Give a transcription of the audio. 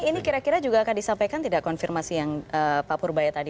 ini kira kira juga akan disampaikan tidak konfirmasi yang pak purbaya tadi